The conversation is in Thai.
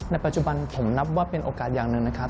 ในปัจจุบันผมนับว่าเป็นโอกาสอย่างหนึ่งนะครับ